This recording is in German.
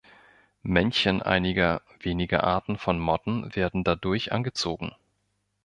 Männchen einiger weniger Arten von Motten werden dadurch angezogen.